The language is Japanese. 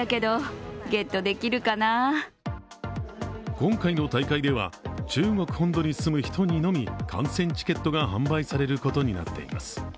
今回の大会では中国本土に住む人にのみ観戦チケットが販売されることになっています。